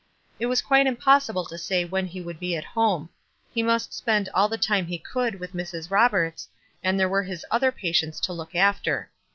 It was quite impossible to say when he would be at home ; he must spend all the time he could with Mrs. Roberts, and there were his other patients to look after.